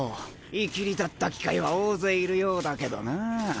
いきりたった機械は大勢いるようだけどなぁ。